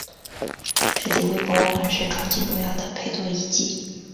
史迪威博物馆是重庆重要的陪都遗迹。